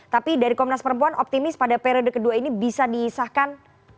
tapi dari komnas perempuan optimis pada periode kedua ini bisa disahkan